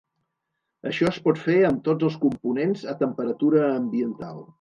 Això es pot fer amb tots els components a temperatura ambiental.